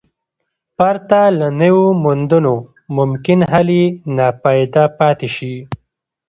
پرته له نویو موندنو ممکن حل یې ناپایده پاتې شي.